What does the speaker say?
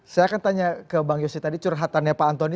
saya akan tanya ke bang yose tadi curhatannya pak antoni